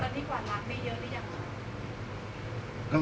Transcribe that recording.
นักดนทรพีกว่ารักมีเยอะหรือยัง